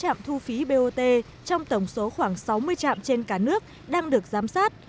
trạm thu phí bot trong tổng số khoảng sáu mươi trạm trên cả nước đang được giám sát